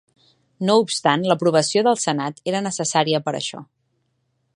No obstant, l'aprovació del senat era necessària per això.